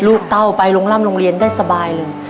เต้าไปลงร่ำโรงเรียนได้สบายเลย